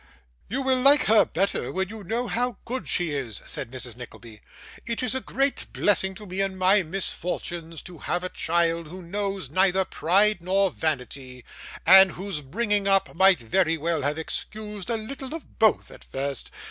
'You will like her better when you know how good she is,' said Mrs Nickleby. 'It is a great blessing to me, in my misfortunes, to have a child, who knows neither pride nor vanity, and whose bringing up might very well have excused a little of both at first.